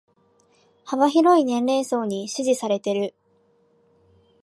幅広い年齢層に支持されてる